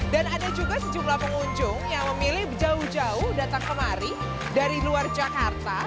dan ada juga sejumlah pengunjung yang memilih jauh jauh datang kemari dari luar jakarta